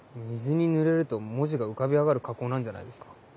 水にぬれると文字が浮かび上がる加工なんじゃないですか？